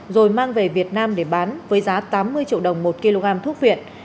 rồi mang về việt nam để bán với giá tám mươi triệu đồng một kg thuốc viện